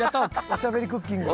『おしゃべりクッキング』。